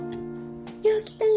よう来たな。